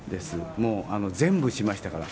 もう全部しましたから。